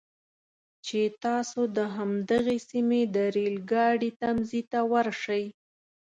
چې تاسو د همدغې سیمې د ریل ګاډي تمځي ته ورشئ.